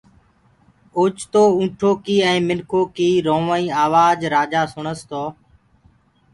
اوچتو اُنٚٺو ڪيٚ ائيٚنٚ مِنکو ڪيٚ رُووآئيٚ آواج رآجآ سُڻس تو